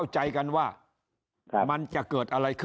แล้วก็กฎข้อมาใช่ไหม